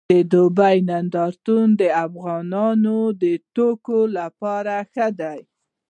د دوبۍ نندارتون د افغاني توکو لپاره ښه دی